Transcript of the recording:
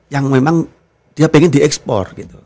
yang memang dia ingin diekspor gitu